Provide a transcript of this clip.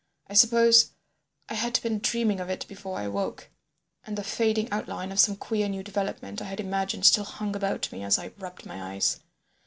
I suppose I had been dreaming of it before I awoke, and the fading outline of some queer new development I had imagined still hung about me as I rubbed my eyes.